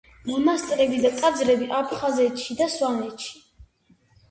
მონასტრები და ტაძრები აფხაზეთში და სვანეთში.